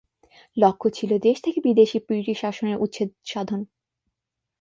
লক্ষ্য ছিল দেশ থেকে বিদেশি ব্রিটিশ শাসনের উচ্ছেদ সাধন।